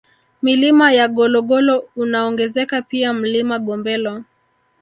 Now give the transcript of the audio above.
Milima ya Gologolo unaongezeka pia Mlima Gombelo